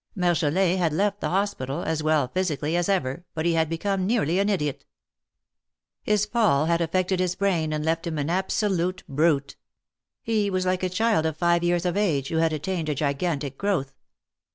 Marjolin had left the hospital, as well physically, as ever, but he had become nearly an idiot. His fall had affected THE MARKETS OF PARIS. 265 his brain, and left him an absolute brute. He was like a child of five years of age, who had attained a gigantic growth.